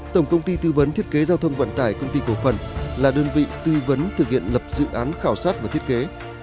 tổng công ty tư vấn thiết kế giao thông vận tải công ty cổ phần là đơn vị tư vấn thực hiện lập dự án khảo sát và thiết kế